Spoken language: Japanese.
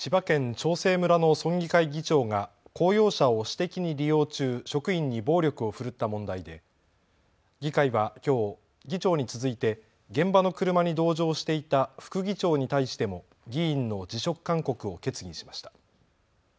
長生村の村議会議長が公用車を私的に利用中、職員に暴力を振るった問題で議会はきょう議長に続いて現場の車に同乗していた副議長に対しても議員の辞職勧告を決議しました。